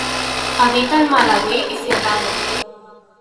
Habita en Malaui y Zimbabue.